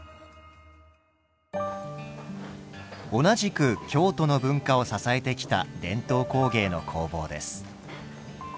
同じく京都の文化を支えてきた伝統工芸の工房です。